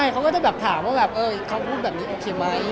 ใช่เขาก็จะแบบถามว่าแบบเฮ้เขาพูดแบบนี้โอเคไหมอะไรแบบนี้